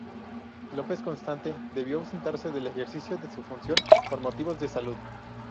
López Constante debió ausentarse del ejercicio de su función por motivos de salud.